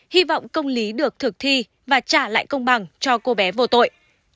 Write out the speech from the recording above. hy vọng công lý được thực thi và trả lại công bằng cho cô bé vô tội